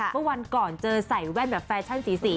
เมื่อวันก่อนเจอใส่แว่นแบบแฟชั่นสี